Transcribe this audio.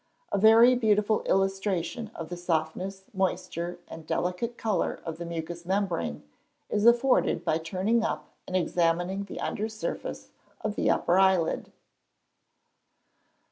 A very beautiful illustration of the softness, moisture, and delicate colour of the mucous membrane is afforded by turning up and examining the under surface of the upper eyelid.